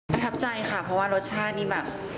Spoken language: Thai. ประทับใจค่ะเพราะว่ารสชาตินี่แบบ